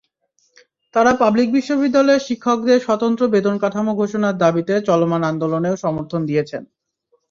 তাঁরা পাবলিক বিশ্ববিদ্যালয়ের শিক্ষকদের স্বতন্ত্র বেতনকাঠামো ঘোষণার দাবিতে চলমান আন্দোলনেও সমর্থন দিয়েছেন।